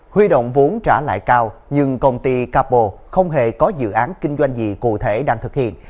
huy động vốn trả lại cao nhưng công ty capo không hề có dự án kinh doanh gì cụ thể đang thực hiện